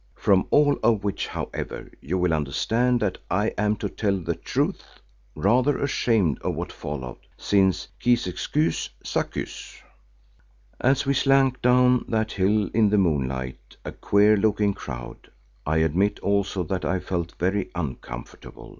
From all of which, however, you will understand that I am, to tell the truth, rather ashamed of what followed, since qui s'excuse, s'accuse. As we slunk down that hill in the moonlight, a queer looking crowd, I admit also that I felt very uncomfortable.